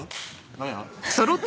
何や？